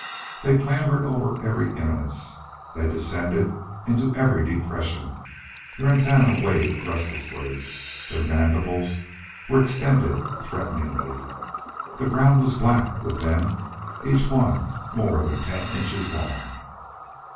They clambered over every eminence. They descended into every depression. Their antennae waved restlessly. Their mandibles were extended threateningly. The ground was black with them, each one more than ten inches long.